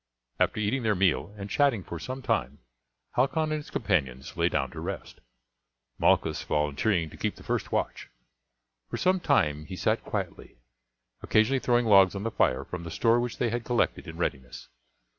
After eating their meal and chatting for some time, Halcon and his companions lay down to rest, Malchus volunteering to keep the first watch. For some time he sat quietly, occasionally throwing logs on the fire from the store which they had collected in readiness.